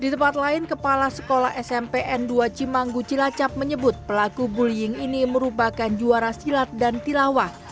di tempat lain kepala sekolah smp n dua cimanggu cilacap menyebut pelaku bullying ini merupakan juara silat dan tilawah